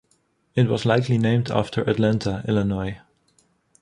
It was likely named after Atlanta, Illinois.